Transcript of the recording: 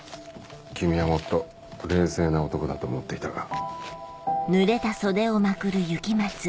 君はもっと冷静な男だと思っていたが。